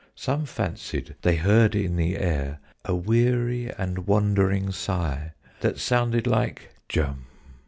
Some fancied they heard in the air A weary and wandering sigh That sounded like " jum!"